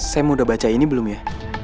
sam udah baca ini belum ya